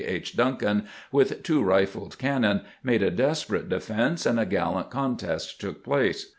H. Duncan, with two rifled cannon, made a desperate de fense, and a gallant contest took place.